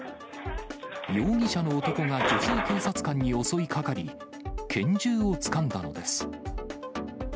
容疑者の男が女性警察官に襲いかかり、拳銃をつかんだのです。